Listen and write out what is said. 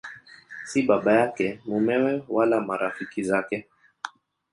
Si baba yake, mumewe wala marafiki zake.